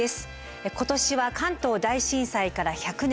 今年は関東大震災から１００年。